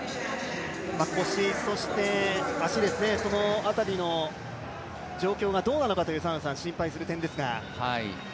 腰、足辺りの状況がどうなのかと心配する点ですが。